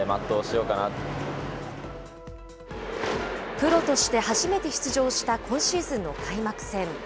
プロとして初めて出場した今シーズンの開幕戦。